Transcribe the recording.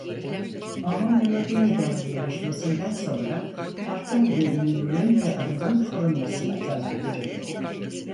Almanya'nın yeniden birleşmesinden sonra parkın görünümünün ve adının korunmasına karar verildi.